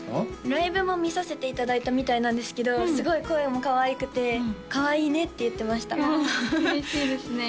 ライブも見させていただいたみたいなんですけどすごい声もかわいくて「かわいいね」って言ってました嬉しいですね